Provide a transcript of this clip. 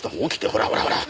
ほらほらほら。